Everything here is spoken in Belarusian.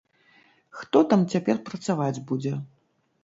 Хто там цяпер працаваць будзе?